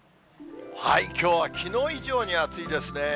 きょうはきのう以上に暑いですね。